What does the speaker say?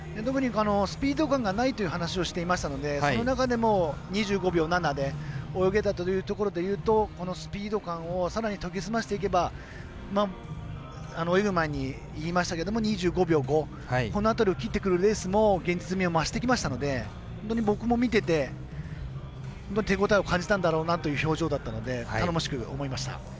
スピード感がないという話をしていましたのでその中でも２５秒７で泳げたというところでいうとこのスピード感をさらに研ぎ澄ませていけば泳ぐ前に言いましたけど２５秒５、この辺りを切ってくるレースも現実味を増してきましたので本当に僕も見てて手応えを感じたんだろうなという表情だったので頼もしく思えました。